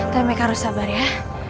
tapi mereka harus sabar ya